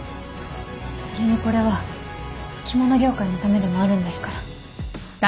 それにこれは着物業界のためでもあるんですから。